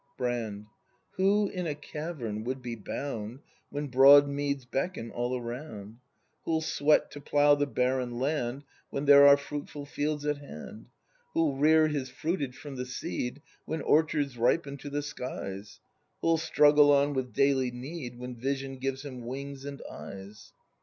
Brand. Who in a cavern would be bound. When broad meads beckon all around ? Who'll sweat to plough the barren land When there are fruitful fields at hand ? Who'll rear his fruitage from the seed When orchards ripen to the skies ? Who'll struggle on with daily need When vision gives him wings and eyes?